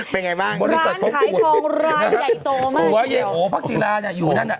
เป็นไงบ้างร้านขายทองรายใหญ่โตมากหัวเย๋อพักจีราเนี้ยอยู่นั่นน่ะ